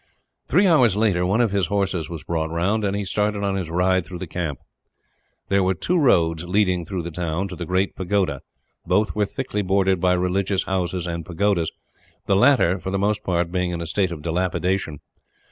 Three hours later one of his horses was brought round, and he started on his ride through the camp. There were two roads leading through the town to the great pagoda. Both were thickly bordered by religious houses and pagodas the latter, for the most part, being in a state of dilapidation.